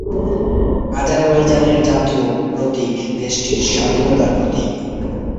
আজারবাইজানের জাতীয় প্রতীক দেশটির স্বাধীনতার প্রতীক।